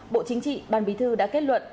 bộ chính trị ban bí thư đã kết luận